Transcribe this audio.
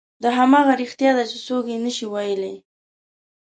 دا همغه رښتیا دي چې څوک یې نه شي ویلی.